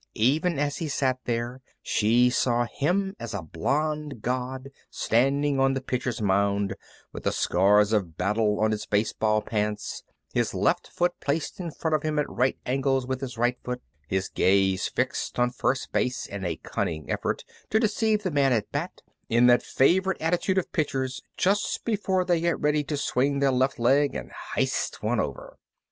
Even as he sat there she saw him as a blonde god standing on the pitcher's mound, with the scars of battle on his baseball pants, his left foot placed in front of him at right angles with his right foot, his gaze fixed on first base in a cunning effort to deceive the man at bat, in that favorite attitude of pitchers just before they get ready to swing their left leg and h'ist one over.